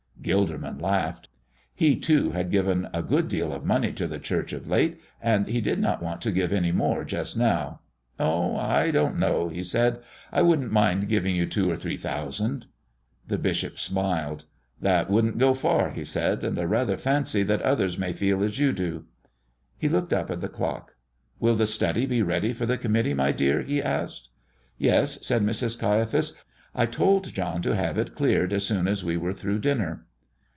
Gilderman laughed. He, too, had given a good deal of money to the church of late, and he did not want to give any more just now. "Oh, I don't know," he said. "I wouldn't mind giving you two or three thousand." The bishop smiled. "That wouldn't go far," he said, "and I rather fancy that others may feel as you do." He looked up at the clock. "Will the study be ready for the committee, my dear?" he asked. "Yes," said Mrs. Caiaphas. "I told John to have it cleared as soon as we were through dinner."